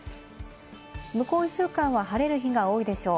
向こう１週間は晴れる日が多いでしょう。